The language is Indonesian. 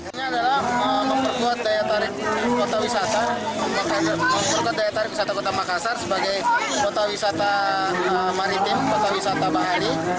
ini adalah memperkuat daya tarik kota wisata memperkuat daya tarik wisata kota makassar sebagai kota wisata maritim kota wisata bahari